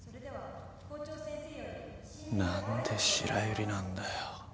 何で白百合なんだよ。